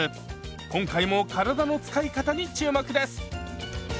今回も体の使い方に注目です！